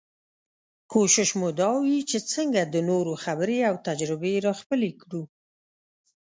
کوشش مو دا وي چې څنګه د نورو خبرې او تجربې راخپلې کړو.